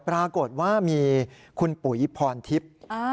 ปรากฏว่ามีคุณปุ๋ยพรทิพย์